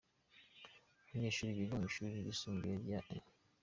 Abanyeshuri biga mu ishuri ryisumbuye rya E.